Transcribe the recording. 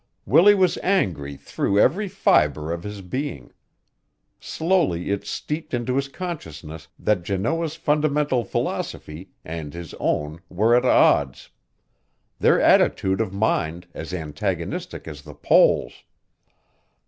Willie was angry through every fiber of his being. Slowly it seeped into his consciousness that Janoah's fundamental philosophy and his own were at odds; their attitude of mind as antagonistic as the poles.